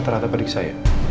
ternyata pada saya